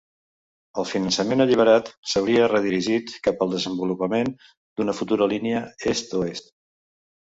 El finançament alliberat s'hauria redirigit cap al desenvolupament d'una futura línia est-oest.